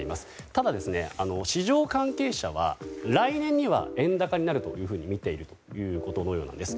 ただ、市場関係者は来年には円高になるというふうにみているということのようです。